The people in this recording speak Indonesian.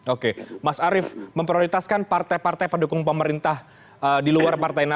oke mas arief memprioritaskan partai partai pendukung pemerintah di luar partai nasdem